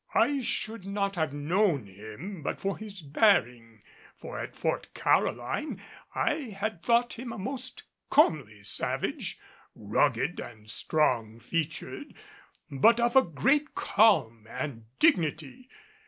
I should not have known him but for his bearing, for at Fort Caroline I had thought him a most comely savage, rugged and strong featured, but of a great calm and dignity.